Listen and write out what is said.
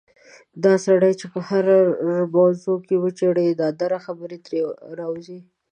دا سړی چې په هره موضوع کې وچېړې نادرې خبرې ترې راوځي.